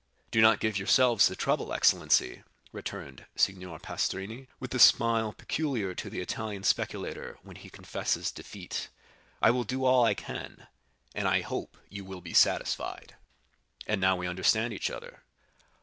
"Do not give yourselves the trouble, excellency," returned Signor Pastrini, with the smile peculiar to the Italian speculator when he confesses defeat; "I will do all I can, and I hope you will be satisfied." "And now we understand each other."